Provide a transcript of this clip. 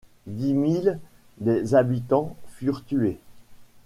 Dix mille des habitants furent tués.